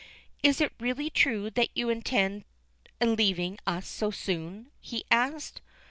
"Is it really true that you intend leaving us so soon?" he asked.